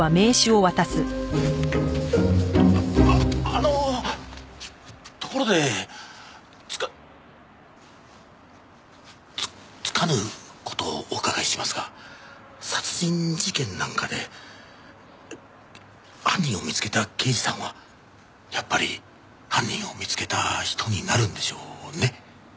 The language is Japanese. あのところでつかつかぬ事をお伺いしますが殺人事件なんかで犯人を見つけた刑事さんはやっぱり犯人を見つけた人になるんでしょうね？